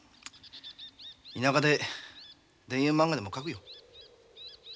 田舎で田園まんがでも描くよ。